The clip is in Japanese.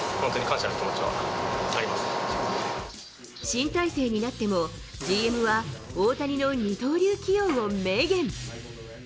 新体制になっても、ＧＭは大谷の二刀流起用を明言。